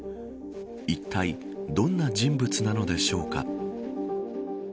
いったいどんな人物なのでしょうか。